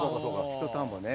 ひと田んぼね。